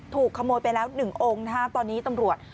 ถูกขโมยไปแล้ว๑องค์นะฮะตอนนี้ตำรวจ